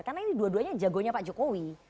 karena ini dua duanya jagonya pak jokowi